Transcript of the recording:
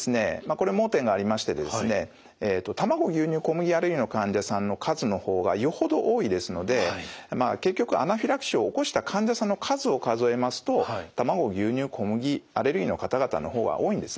これ盲点がありまして卵牛乳小麦アレルギーの患者さんの数の方がよほど多いですので結局アナフィラキシーを起こした患者さんの数を数えますと卵牛乳小麦アレルギーの方々の方が多いんですね。